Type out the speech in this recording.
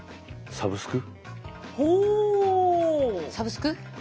サブスク？